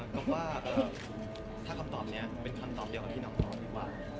บอกว่าถ้าคำตอบนี้เป็นคำตอบเดียวกับที่น้องบอกดีกว่า